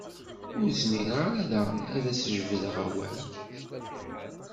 Ur zmireɣ ara daɣen ad as-d-jebdeɣ awal.